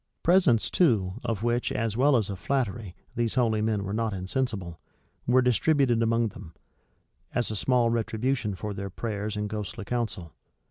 Presents too, of which, as well as of flattery, these holy men were not insensible, were distributed among them, as a small retribution for their prayers and ghostly counsel.